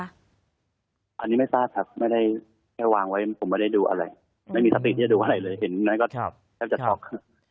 อันนี้ไม่ทราบครับไม่ได้แค่วางไว้ผมไม่ได้ดูอะไรไม่มีสติที่จะดูอะไรเลยเห็นนั้นก็แทบจะช็อก